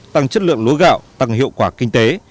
tăng chất lượng lúa gạo tăng hiệu quả kinh tế